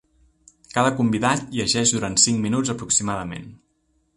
Cada convidat llegeix durant cinc minuts aproximadament.